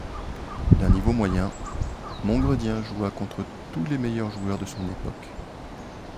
D'un niveau moyen, Mongredien joua contre tous les meilleurs joueurs de son époque.